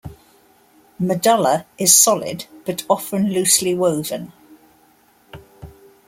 Medulla is solid, but often loosely woven.